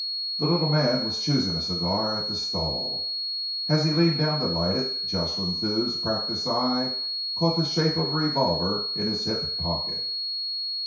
The little man was choosing a cigar at the stall. As he leaned down to light it, Jocelyn Thew's practiced eye caught the shape of a revolver in his hip pocket.